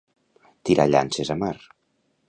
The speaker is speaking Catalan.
Tirar llances a mar.